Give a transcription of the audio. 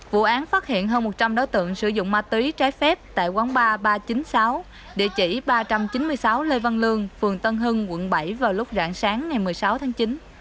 vụ án phát hiện hơn một trăm linh đối tượng sử dụng ma túy trái phép tại quán ba ba trăm chín mươi sáu địa chỉ ba trăm chín mươi sáu lê văn lương phường tân hưng quận bảy vào lúc rạng sáng ngày một mươi sáu tháng chín